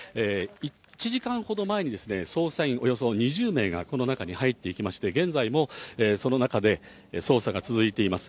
１時間ほど前に捜査員およそ２０名がこの中に入っていきまして、現在もその中で捜査が続いています。